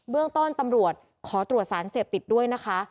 เรื่องต้นตำรวจขอตรวจสารเสพติดด้วยนะคะ